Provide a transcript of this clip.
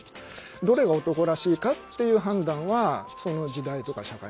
どれが男らしいかっていう判断はその時代とか社会によって変わる。